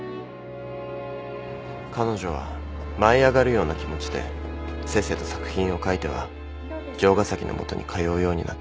彼女は舞い上がるような気持ちでせっせと作品を描いては城ヶ崎のもとに通うようになった。